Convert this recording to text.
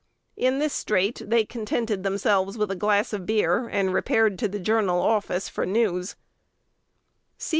In this strait they contented themselves with a glass of beer, and repaired to "The Journal" office for news.